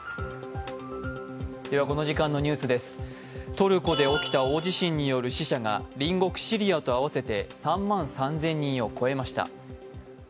トルコで起きた大地震による死者が隣国シリアと合わせて３万３０００人を超えました。